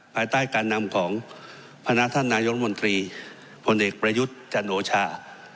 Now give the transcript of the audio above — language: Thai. ภายใต้การนำของพนักท่านนายรัฐมนตรีพลเอกประยุทธ์จันโอชา